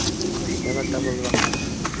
ব্যাপারটা বুঝলাম না।